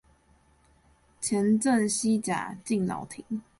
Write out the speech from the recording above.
前鎮西甲敬老亭